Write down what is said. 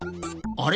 あれ？